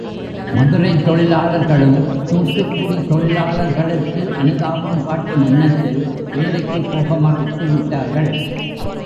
மதுரைத் தொழிலாளர்களும் தூத்துக்குடித் தொழிலாளர்களுக்கு அனுதாபம் காட்டும் எண்ணத்தில் வேலைக்குப் போக மறுத்துவிட்டார்கள்.